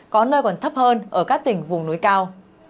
có nơi còn thấp hơn ở các tỉnh vùng núi cao